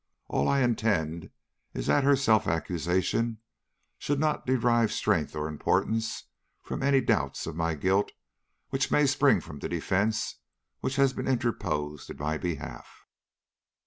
All I intend is that her self accusation shall not derive strength or importance from any doubts of my guilt which may spring from the defence which has been interposed in my behalf."